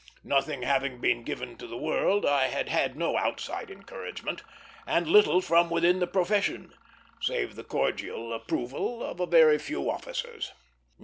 Nothing having been given to the world, I had had no outside encouragement; and little from within the profession, save the cordial approval of a very few officers.